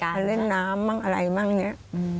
ไปเล่นน้ำบ้างอะไรบ้างเนี่ย